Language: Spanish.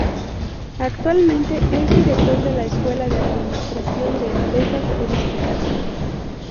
Actualmente es Director de la Escuela de Administración de Empresas Turísticas.